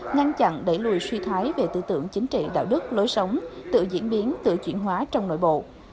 ngăn chặn đẩy lùi suy thoái về tư tưởng chính trị đạo đức lối sống tự diễn biến tự chuyển hóa trong nội bộ